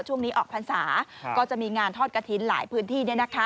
ช่วงนี้ออกพรรษาก็จะมีงานทอดกระถิ่นหลายพื้นที่